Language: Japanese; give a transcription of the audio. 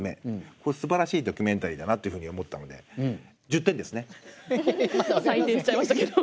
これすばらしいドキュメンタリーだなというふうに思ったので採点しちゃいましたけど。